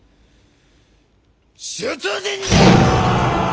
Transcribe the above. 出陣じゃあ！